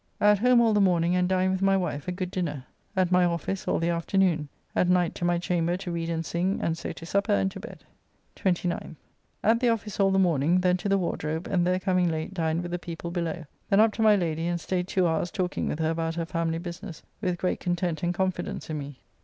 At home all the morning, and dined with my wife, a good dinner. At my office all the afternoon. At night to my chamber to read and sing, and so to supper and to bed. 29th. At the office all the morning. Then to the Wardrobe, and there coming late dined with the people below. Then up to my Lady, and staid two hours talking with her about her family business with great content and confidence in me.